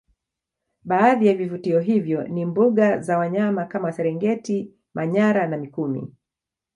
Baadhi ya vivutio hivyo ni mbuga za wanyama kama serengeti manyara na mikumi